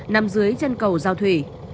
nằm dưới chân cầu giao thủy